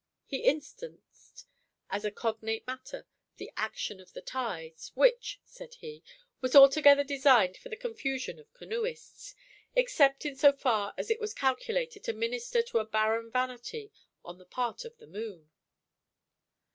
He instanced, as a cognate matter, the action of the tides, 'which,' said he, 'was altogether designed for the confusion of canoeists, except in so far as it was calculated to minister to a barren vanity on the part of the moon.